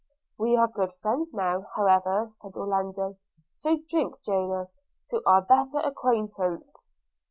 'We are good friends now, however,' said Orlando; 'so drink, Jonas, to our better acquaintance.'